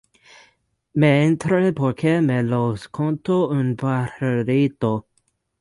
Me enteré porque me lo contó un pajarito